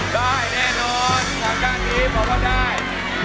ได้แน่นอนทางด้านนี้บอกว่าได้